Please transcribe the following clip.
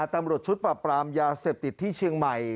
ตำรวจชุดปรับปรามยาเสพติดที่เชียงใหม่